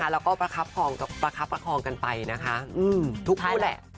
แล้วก็ประคับประคับประคองกันไปนะคะทุกคู่แหละ